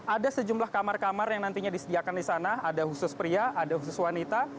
ada sejumlah kamar kamar yang nantinya disediakan di sana ada khusus pria ada khusus wanita